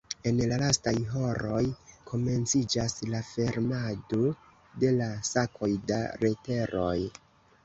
En la lastaj horoj komenciĝas la fermado de la sakoj da leteroj.